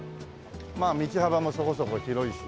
まあ道幅もそこそこ広いし。